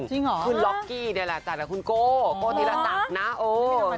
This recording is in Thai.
จริงเหรอคือล็อกกี้เนี่ยแหละจัดกับคุณโก้โก้ธีรศักดิ์นะโอ้